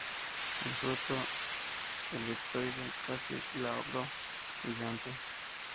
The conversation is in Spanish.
El fruto elipsoide, casi glabro, brillante.